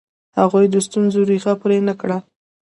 هغوی د ستونزو ریښه پرې نه کړه.